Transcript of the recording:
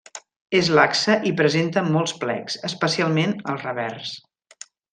És laxa i presenta molts plecs, especialment al revers.